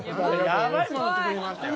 やばいもの作りましたよ。